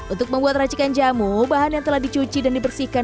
untuk membuat racikan jamu bahan yang telah dicuci dan dibersihkan